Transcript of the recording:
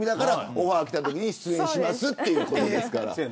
オファーが来て出演しますということですから。